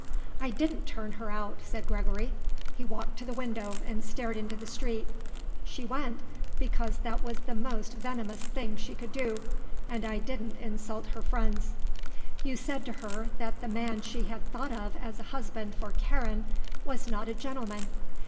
"I didn't turn her out," said Gregory; he walked to the window and stared into the street. "She went because that was the most venomous thing she could do. And I didn't insult her friends." "You said to her that the man she had thought of as a husband for Karen was not a gentleman.